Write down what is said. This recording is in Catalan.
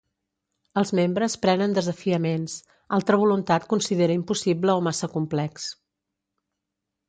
Els membres prenen desafiaments, altra voluntat considera impossible o massa complex.